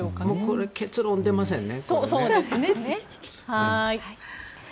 これ結論出ませんね。